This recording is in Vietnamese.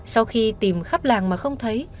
sau khi tìm khắp làng mà không thấy